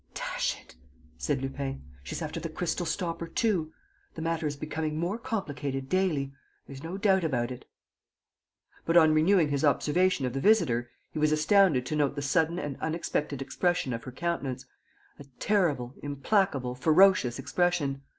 "Dash it!" said Lupin. "She's after the crystal stopper too! The matter is becoming more complicated daily; there's no doubt about it." But, on renewing his observation of the visitor, he was astounded to note the sudden and unexpected expression of her countenance, a terrible, implacable, ferocious expression.